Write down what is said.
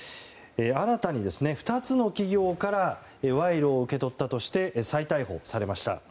新たに、２つの企業から賄賂を受け取ったとして再逮捕されました。